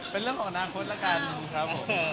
เป็นเรื่องของอนาคตแล้วกันครับผม